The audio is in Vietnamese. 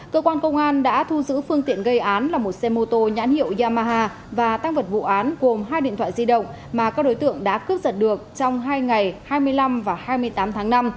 cơ quan công an đã thu giữ phương tiện gây án là một xe mô tô nhãn hiệu yamaha và tăng vật vụ án gồm hai điện thoại di động mà các đối tượng đã cướp giật được trong hai ngày hai mươi năm và hai mươi tám tháng năm